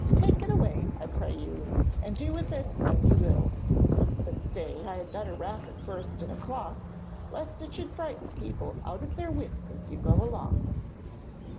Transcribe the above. Take it away, I pray you, and do with it as you will. But stay, I had better wrap it first in a cloth, lest it should frighten people out of their wits as you go along.'